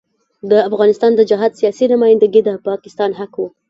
د افغانستان د جهاد سیاسي نمايندګي د پاکستان حق وو.